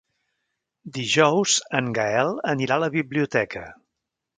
Dijous en Gaël anirà a la biblioteca.